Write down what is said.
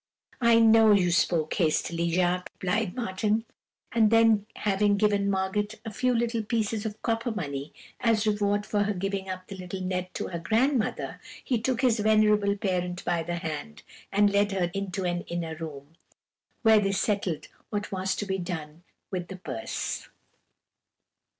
"'I know you spoke hastily, Jacques,' replied Martin; and then having given Margot a few little pieces of copper money as reward for her giving up the little net to her grandmother, he took his venerable parent by the hand, and led her into an inner room, where they settled what was to be done with the purse.